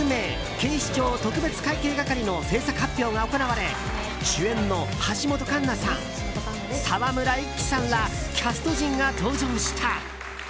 警視庁特別会計係」の制作発表が行われ主演の橋本環奈さん沢村一樹さんらキャスト陣が登場した。